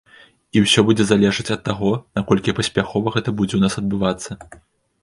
І ўсё будзе залежаць ад таго, наколькі паспяхова гэта будзе ў нас адбывацца.